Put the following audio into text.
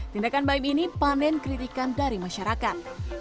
tindakan baim ini panen kritikan dari masyarakat